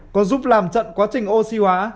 còn giúp làm trận quá trình oxy hóa